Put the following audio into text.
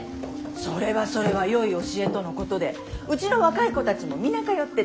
それはそれはよい教えとのことでうちの若い子たちも皆通ってて。